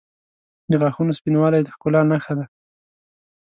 • د غاښونو سپینوالی د ښکلا نښه ده.